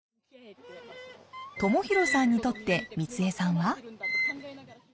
朝洋さんにとって光恵さんは？